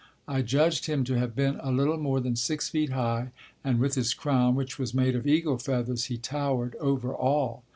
I judged him to have been a little more than six feet high and with his crown, which was made of eagle feathers, he towered over all.